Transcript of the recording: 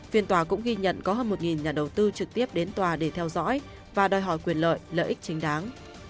phiên tòa cũng ghi nhận có hơn một nhà đầu tư trực tiếp đến tòa để theo dõi và đòi hỏi quyền lợi lợi ích chính đáng